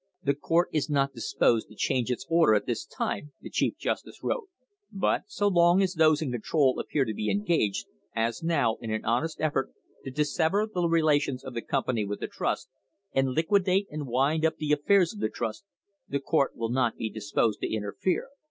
"The court is not disposed to change its order at this time," the chief justice wrote, "but, so long as those in control appear to be engaged, as now, in an honest effort to dissever the relations of the company with the trust, and liquidate and wind up the affairs of the trust, the court will not be disposed to interfere."